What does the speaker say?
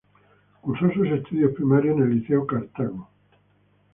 Cursó sus estudios primarios en el Liceo Cartago.